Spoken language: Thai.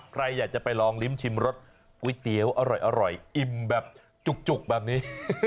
ใครอยากจะไปลองลิ้มชิมรสก๋วยเตี๋ยวอร่อยอิ่มแบบจุกแบบนี้